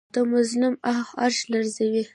د مظلوم آه عرش لرزوي